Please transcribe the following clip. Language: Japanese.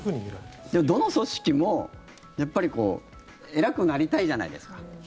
でも、どの組織もやっぱり偉くなりたいじゃないですか。